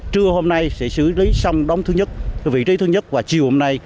trưa hôm nay sẽ xử lý sông đông thứ nhất vị trí thứ nhất và chiều hôm nay